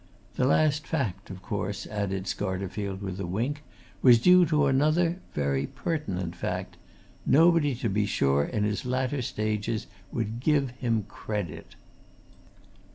The last fact, of course," added Scarterfield, with a wink, "was due to another, very pertinent fact nobody, to be sure, in his latter stages, would give him credit!"